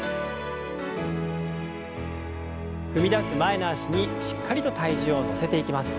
踏み出す前の脚にしっかりと体重を乗せていきます。